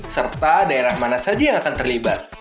serta daerah mana saja yang akan terlibat